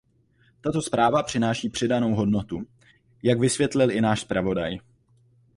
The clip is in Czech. Tato zpráva přináší přidanou hodnotu, jak vysvětlil i náš zpravodaj.